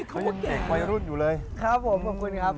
ยังเมื่อรุ่นอยู่เลยครับผมขอบคุณครับ